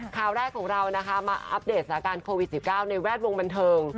ข่าวแรกของเรานะคะมาอัปเดตสถานการณ์โควิด๑๙ในแวดวงบันเทิง